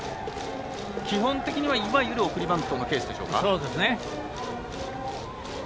基本的にはいわゆる送りバントのケースでしょうか。